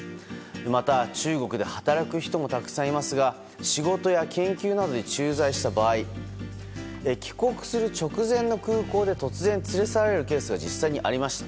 また、中国で働く人もたくさんいますが仕事や研究などで駐在した場合帰国する直前の空港で連れ去られるケースもありました。